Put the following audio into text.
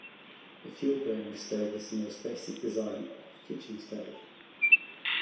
The fuel-burning stove is the most basic design of kitchen stove.